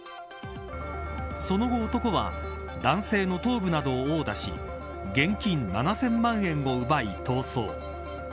その後、男は男性の頭部などを殴打し現金７０００万円を奪い、逃走。